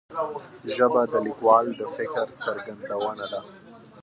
ژبه د لیکوال د فکر څرګندونه ده